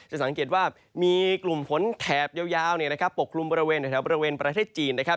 สังเกตว่ามีกลุ่มฝนแถบยาวปกคลุมบริเวณแถวบริเวณประเทศจีนนะครับ